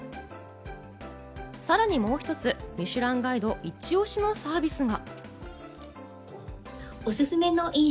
さらにもう一つ『ミシュランガイド』イチオシのサービスが。